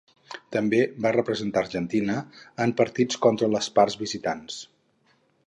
També va representar Argentina en partits contra les parts visitants.